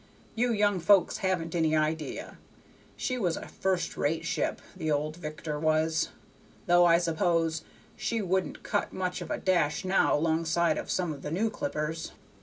You young folks haven't any idea. She was a first rate ship, the old Victor was, though I suppose she wouldn't cut much of a dash now 'longside of some of the new clippers.